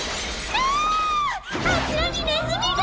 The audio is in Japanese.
きゃああちらにネズミが！